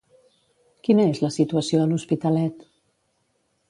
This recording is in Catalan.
Quina és la situació a l'Hospitalet?